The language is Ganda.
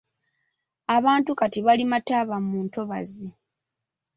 Abantu kati balima ttaaba mu ntobazi.